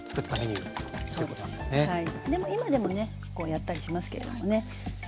でも今でもねやったりしますけれどもね。